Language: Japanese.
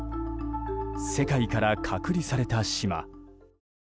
世界から隔離された島。